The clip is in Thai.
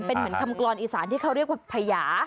เป็นเหมือนคำกรอนอีสานที่เขาเรียกว่าพญา